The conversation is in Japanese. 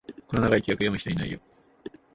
こんな長い規約、読む人いないよ